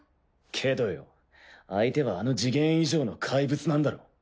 けどよ相手はあのジゲン以上の怪物なんだろう？